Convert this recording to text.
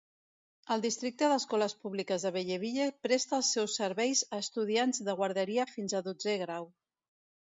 El districte d'escoles públiques de Belleville presta els seus serveis a estudiants de guarderia fins a dotzè grau.